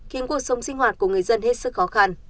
khiến cuộc sống sinh hoạt của người dân hết sức khó khăn